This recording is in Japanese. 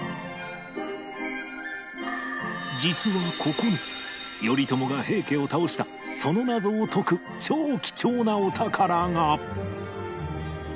実はここに頼朝が平家を倒したその謎を解く超貴重なお宝が！